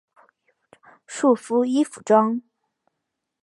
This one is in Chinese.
束缚衣服装。